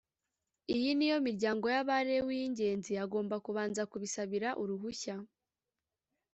Iyi ni yo miryango y Abalewi yi ingenzi agomba kubanza kubisabira uruhushya